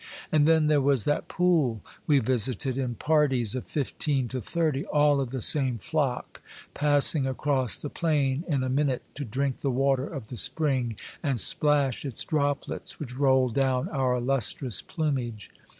And then there was that pool we visited in parties of fifteen to thirty, all of the same flock, passing across the plain in a minute to drink the water of the spring and splash its droplets which rolled down our lustrous plumage.